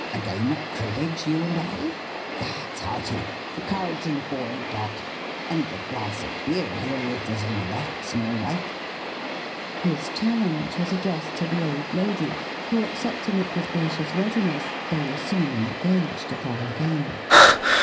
A game at cribbage, you and I? That's hearty. The cards and board, Dot. And a glass of beer here, if there's any left, small wife!" His challenge was addressed to the old lady, who accepting it with gracious readiness, they were soon engaged upon the game.